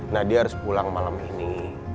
nah dia harus pulang malam ini